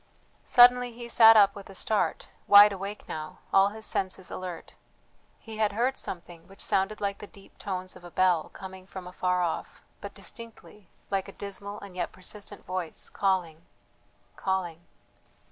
Suddenly he sat up with a start, wide awake now, all his senses alert. He had heard something which sounded like the deep tones of a bell, coming from afar off, but distinctly, like a dismal and yet persistent voice, calling ... calling.